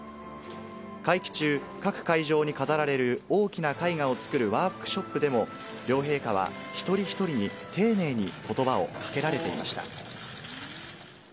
会期中、各会場に飾られる大きな絵画を作るワークショップでも、両陛下は一人一人に丁寧にことばをかけられていました。